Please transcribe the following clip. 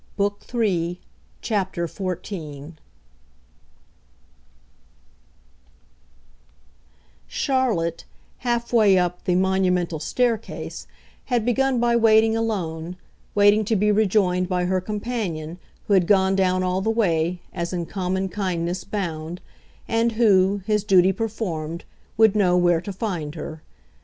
PART THIRD XIV Charlotte, half way up the "monumental" staircase, had begun by waiting alone waiting to be rejoined by her companion, who had gone down all the way, as in common kindness bound, and who, his duty performed, would know where to find her.